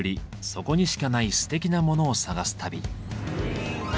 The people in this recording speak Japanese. そこにしかないすてきなモノを探す旅。